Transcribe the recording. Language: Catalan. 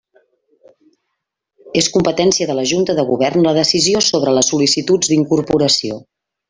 És competència de la Junta de Govern la decisió sobre les sol·licituds d'incorporació.